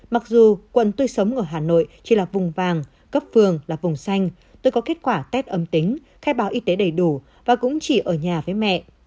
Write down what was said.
mặc dù quận tôi sống ở hà nội chỉ là vùng vàng cấp phường là vùng xanh tôi có kết quả test âm tính khai báo y tế đầy đủ và cũng chỉ ở nhà với mẹ